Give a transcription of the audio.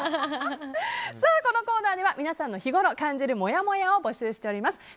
このコーナーには皆さんの日頃感じるもやもやを募集しております。